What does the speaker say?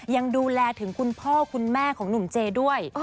ยังดูแลถึงคุณพ่อคุณแม่ของหนุ่มเจด้วย